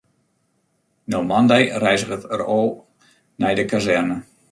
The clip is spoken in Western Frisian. No moandei reizget er ôf nei de kazerne.